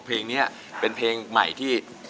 เพลงนี้เป็นเพลงใหม่ที่